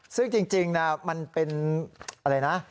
ซึ่งจริงมันเป็นอะไรนะ